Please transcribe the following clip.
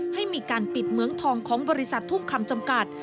ให้มีการปิดเมืองทองของบริษัททุ่งคำจำกัด